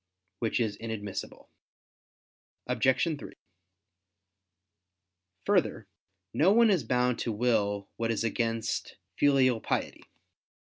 Which is inadmissible. Obj. 3: Further, no one is bound to will what is against filial piety.